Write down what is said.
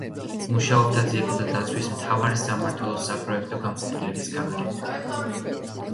მუშაობდა ძეგლთა დაცვის მთავარი სამმართველოს საპროექტო განყოფილების გამგედ.